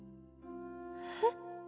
えっ？